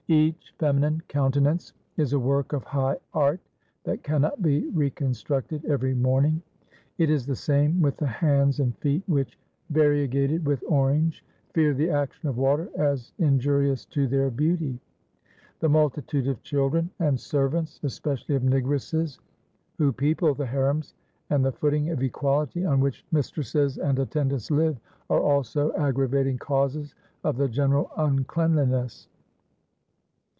Each feminine countenance is a work of high art that cannot be reconstructed every morning. It is the same with the hands and feet, which, variegated with orange, fear the action of water as injurious to their beauty. The multitude of children and servants, especially of negresses, who people the harems, and the footing of equality on which mistresses and attendants live, are also aggravating causes of the general uncleanliness.